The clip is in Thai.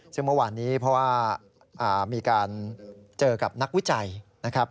ซึ่งเมื่อวานนี้เพราะว่ามีการเจอกับนักวิจัยนะครับ